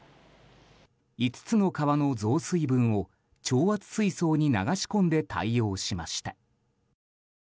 ５つの川の増水分を調圧水槽に流し込んで対応しました。